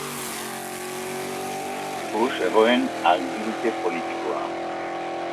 Espartako Zaharren Kontseiluaren esku zegoen aginte politikoa